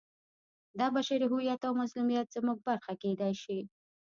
دا بشري هویت او مظلومیت زموږ برخه کېدای شي.